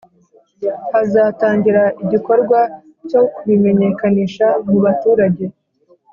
hazatangira igikorwa cyo kubimenyekanisha mu baturage